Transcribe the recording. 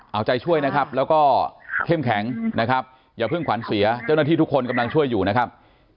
เอาใจช่วยนะครับแล้วก็เข้มแข็งนะครับอย่าเพิ่งขวัญเสียเจ้าหน้าที่ทุกคนกำลังช่วยอยู่นะครับ